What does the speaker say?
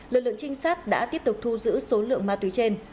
lực lượng trinh sát đã tiếp tục thu giữ số lượng ma túy trên